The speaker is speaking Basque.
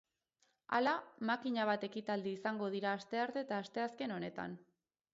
Hala, makina bat ekitaldi izango dira astearte eta asteazken honetan.